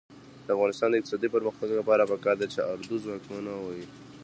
د افغانستان د اقتصادي پرمختګ لپاره پکار ده چې اردو ځواکمنه وي.